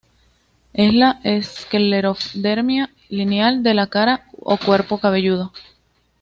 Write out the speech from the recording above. Es la esclerodermia lineal de la cara o cuerpo cabelludo.